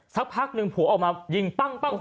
สักพักหนึ่งผัวออกมายิงปั้ง